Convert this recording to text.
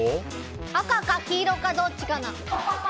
赤か黄色か、どっちかな。